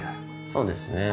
そうですね。